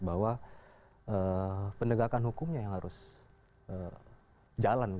bahwa penegakan hukumnya yang harus jalan